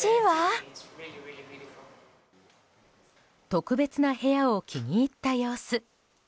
特別な部屋を気に入った様子。